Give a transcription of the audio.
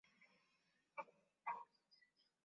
katika eneo hilo Marcial Sanchez mfuatiliaji wa mazingira